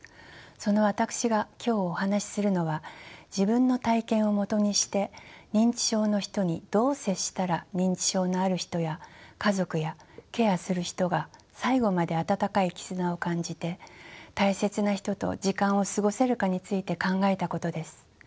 その私が今日お話しするのは自分の体験をもとにして認知症の人にどう接したら認知症のある人や家族やケアする人が最後まで温かい絆を感じて大切な人と時間を過ごせるかについて考えたことです。